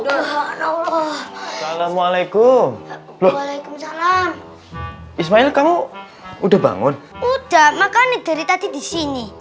assalamualaikum waalaikumsalam ismail kamu udah bangun udah makan dari tadi di sini